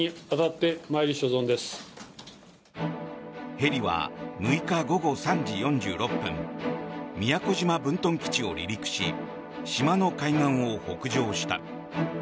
ヘリは６日午後３時４６分宮古島分屯基地を離陸し島の海岸を北上した。